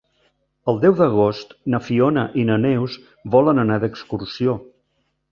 El deu d'agost na Fiona i na Neus volen anar d'excursió.